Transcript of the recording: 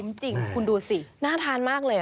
จริงคุณดูสิน่าทานมากเลย